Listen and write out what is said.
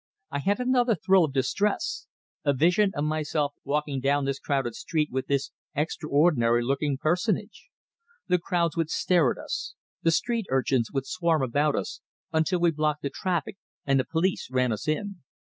I had another thrill of distress a vision of myself walking down this crowded street with this extraordinary looking personage. The crowds would stare at us, the street urchins would swarm about us, until we blocked the traffic and the police ran us in!